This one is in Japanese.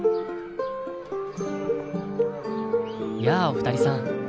やあお二人さん。